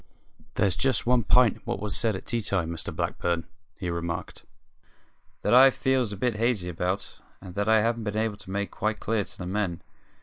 "There's just one p'int in what was said at tea time, Mr Blackburn," he remarked, "that I feels a bit hazy about, and that I haven't been able to make quite clear to the men.